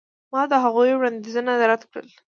ما د هغوی وړاندیزونه رد کړل.